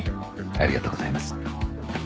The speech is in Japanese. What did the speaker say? ありがとうございます。